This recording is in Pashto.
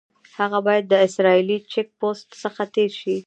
هغه باید د اسرائیلي چیک پوسټ څخه تېر شي.